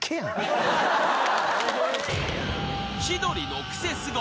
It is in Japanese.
［『千鳥のクセスゴ！』